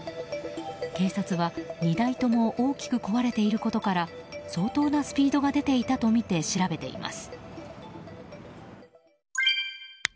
警察は２台とも大きく壊れていることから相当なスピードが出ていたとみて調べています。